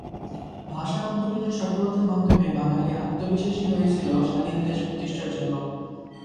ভাষা আন্দোলনের সফলতার মাধ্যমে বাঙালি আত্মবিশ্বাসী হয়েছিল স্বাধীন দেশ প্রতিষ্ঠার জন্য।